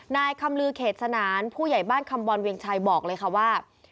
นายคำลือเขตสนานผู้ใหญ่บ้านคำบอลเวียงชัยบอกเลยค่ะว่า